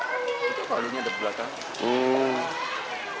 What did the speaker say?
itu lalu ada belakang